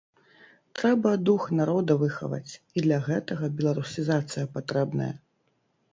Трэба дух народа выхаваць, і для гэтага беларусізацыя патрэбная.